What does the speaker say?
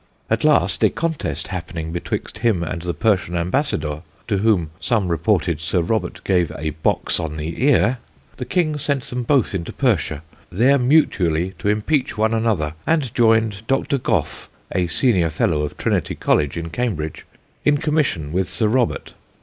"At last a Contest happening betwixt him and the Persian Ambassadour (to whom some reported Sir Robert gave a Box on the Ear) the King sent them both into Persia, there mutually to impeach one another, and joyned Doctor Gough (a Senior Fellow of Trinity colledge in Cambridge) in commission with Sir Robert.